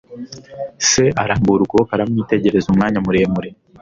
Se arambura ukuboko aramwitegereza umwanya muremure.